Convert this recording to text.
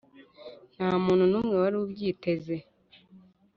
nta muntu n'umwe wari ubyiteze.